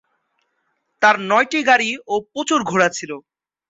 তাঁর নয়টি গাড়ি ও প্রচুর ঘোড়া ছিল।